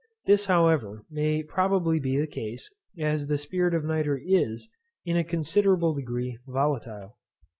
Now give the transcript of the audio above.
This, however, may probably be the case, as the spirit of nitre is, in a considerable degree, volatile.